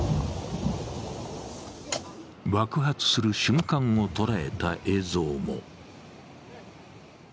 爆発する瞬間を捉えた映像も。